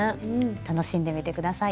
楽しんでみて下さい。